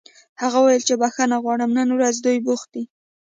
هغه وویل چې بښنه غواړي نن ورځ دوی بوخت دي